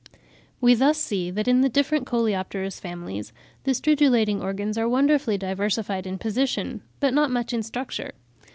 We thus see that in the different coleopterous families the stridulating organs are wonderfully diversified in position, but not much in structure.